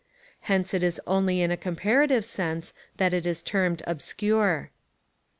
Hence it is only in a comparative sense, that it is termed obscure.